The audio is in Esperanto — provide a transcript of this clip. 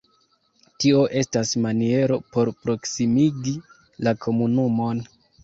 Tio estas maniero por proksimigi la komunumon.